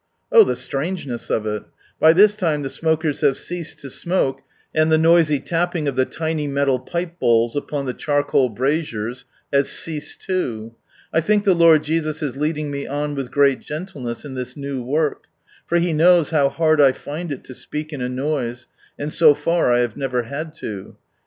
Oh the strangeness of it ! By this time the smokers have ceased to smoke, and the noisy tapping of the tiny metal pipe bowls, upon the charcoal braziers, has ceased too. I think the Lord Jesus is leading me on with great gentleness in this new work, for He knows how hard I find it to speak in a noise, and so far I have never had to. T.